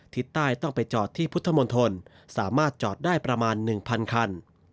ทิศใต้ต้องไปจอดที่พุทธมนตรสามารถจอดได้ประมาณ๑๐๐คัน